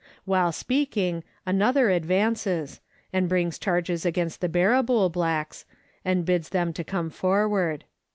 While speaking, another ad vances, and brings charges against the Barrabool blacks, and bids them to come forward.